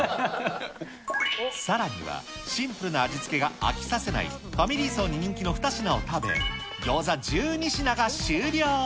さらには、シンプルな味付けが飽きさせない、ファミリー層に人気の２品を食べ、ギョーザ１２品が終了。